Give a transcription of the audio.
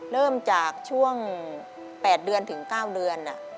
เริ่มจากช่วง๘เดือนถึง๙เดือน